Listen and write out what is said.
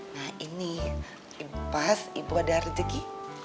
nah ini pas ibu ada rezeki